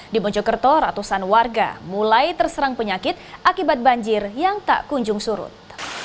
di mojokerto ratusan warga mulai terserang penyakit akibat banjir yang tak kunjung surut